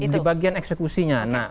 di bagian eksekusinya